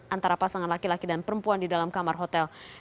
antara pasangan laki laki dan perempuan di dalam kamar hotel